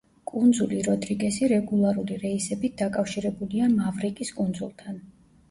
კუნძული როდრიგესი რეგულარული რეისებით დაკავშირებულია მავრიკის კუნძულთან.